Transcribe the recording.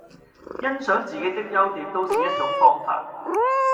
欣賞自己的優點都是方法一種